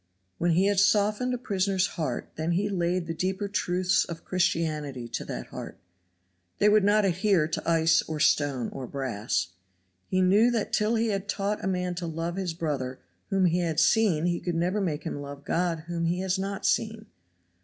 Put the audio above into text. When he had softened a prisoner's heart then he laid the deeper truths of Christianity to that heart. They would not adhere to ice or stone or brass. He knew that till he had taught a man to love his brother whom he had seen he could never make him love God whom he has not seen.